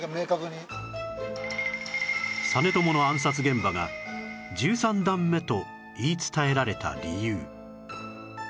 実朝の暗殺現場が１３段目と言い伝えられた理由